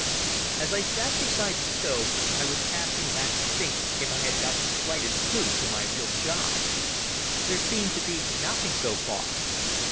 As I sat beside the stove I was casting back to think if I had got the slightest clue to my real job. There seemed to be nothing so far.